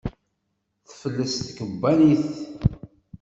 Tefles tkebbanit.